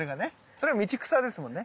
それが道草ですもんね。